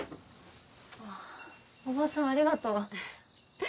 ああ叔母さんありがとう。